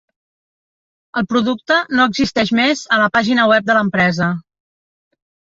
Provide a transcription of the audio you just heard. El producte no existeix més a la pàgina web de l'empresa.